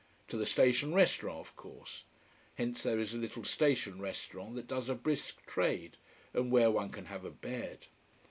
To the station restaurant, of course. Hence there is a little station restaurant that does a brisk trade, and where one can have a bed.